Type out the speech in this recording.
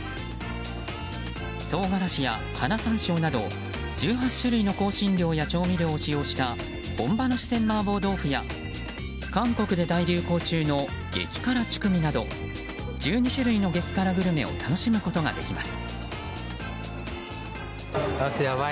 唐辛子や花山椒など１８種類の香辛料や調味料を使用した本場の四川マーボー豆腐や韓国で大流行中の激辛チュクミなど１２種類の激辛グルメを楽しむことができます。